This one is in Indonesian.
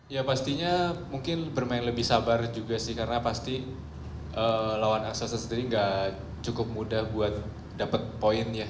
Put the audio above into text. ya pastinya mungkin bermain lebih sabar juga sih karena pasti lawan aksasa sendiri gak cukup mudah buat dapet poin ya